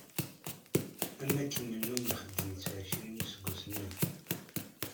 Am wakken nennum nxeddem-itt εecrin n yiseggasen aya.